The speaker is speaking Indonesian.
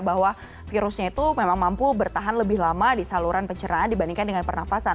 bahwa virusnya itu memang mampu bertahan lebih lama di saluran pencernaan dibandingkan dengan pernafasan